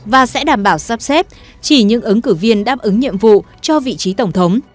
và sẽ đảm bảo sắp xếp chỉ những ứng cử viên đáp ứng nhiệm vụ cho vị trí tổng thống